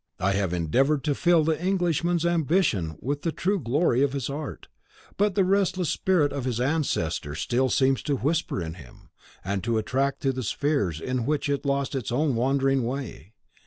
I have endeavoured to fill the Englishman's ambition with the true glory of his art; but the restless spirit of his ancestor still seems to whisper in him, and to attract to the spheres in which it lost its own wandering way.